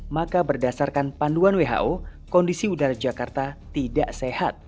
maka berdasarkan panduan who kondisi udara jakarta tidak sehat